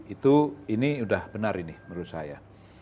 itu ini sudah benar ini menurut saya